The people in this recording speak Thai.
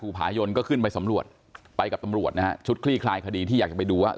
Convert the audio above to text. ผายนก็ขึ้นไปสำรวจไปกับตำรวจนะฮะชุดคลี่คลายคดีที่อยากจะไปดูว่า